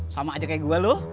sama aja kayak gue loh